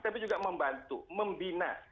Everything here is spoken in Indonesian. tapi juga membantu membina